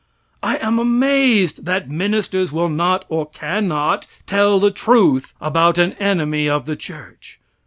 I am amazed that ministers will not or cannot tell the truth about an enemy of the church.